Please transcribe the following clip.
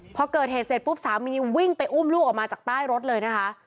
พอเกิดเหตุเสร็จปุ๊บสามีวิ่งไปอุ้มลูกออกมาจากใต้รถเลยนะคะ